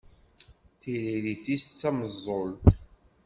Tiririt-is d tameẓẓult.